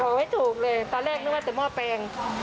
บอกไว้ถูกเลยตอนแรกนึกว่าแต่มอบแปลง